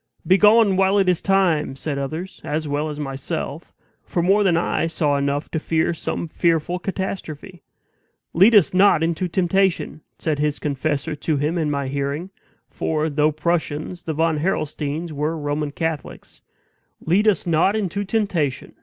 "Begone, while it is time!" said others, as well as myself; for more than I saw enough to fear some fearful catastrophe. "Lead us not into temptation!" said his confessor to him in my hearing (for, though Prussians, the Von Harrelsteins were Roman Catholics), "lead us not into temptation!